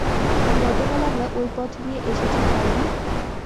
গতকাল আমরা ওই পথ দিয়ে এসেছি, তাই না?